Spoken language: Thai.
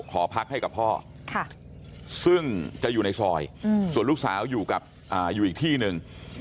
ขอพักให้กับพ่อซึ่งจะอยู่ในซอยส่วนลูกสาวอยู่อีกที่หนึ่ง